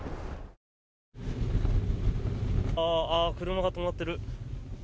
車が止まってる。